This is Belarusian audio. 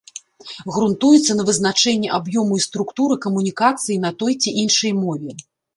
Грунтуецца на вызначэнні аб'ёму і структуры камунікацыі на той ці іншай мове.